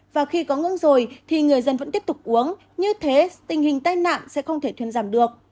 và khi có ngưỡng rồi thì người dân vẫn tiếp tục uống như thế tình hình tai nạn sẽ không thể thuyền giảm được